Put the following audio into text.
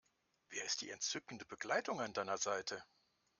Wer ist die entzückende Begleitung an deiner Seite?